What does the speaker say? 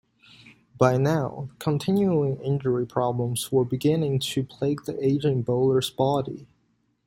By now, continuing injury problems were beginning to plague the ageing bowler's body.